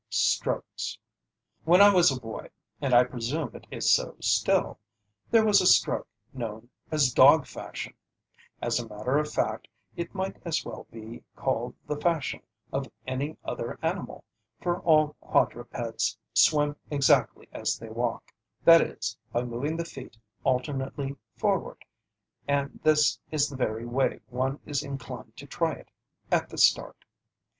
STROKES When I was a boy, and I presume it is so still, there was a stroke known as "dog fashion." As a matter of fact, it might as well be called the fashion of any other animal, for all quadrupeds swim exactly as they walk, that is by moving the feet alternately forward; and this is the very way one is inclined to try it at the start.